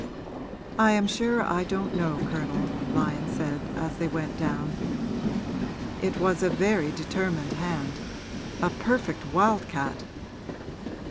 'I am sure I don't know, Colonel,' Lyon said as they went down. 'It was a very determined hand a perfect wild cat.'